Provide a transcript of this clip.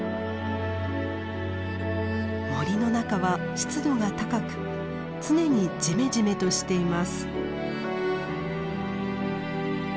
森の中は湿度が高く常にジメジメとしています。